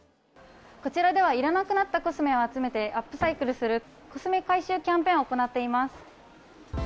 こちらでは、いらなくなったコスメを集めて、アップサイクルするコスメ回収キャンペーンを行っています。